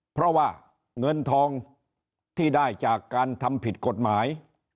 เพราะว่าเงินทองที่ได้จากการทำผิดกฎหมาย